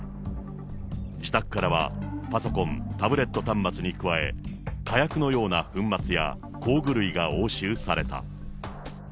自宅からはパソコン、タブレット端末に加え、火薬のような粉末や工具類が押収された。